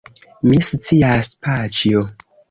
Mi scias, paĉjo.